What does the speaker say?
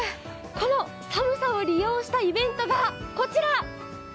この寒さを利用したイベントが、こちら。